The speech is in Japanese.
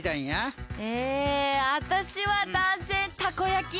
え私は断然たこ焼き！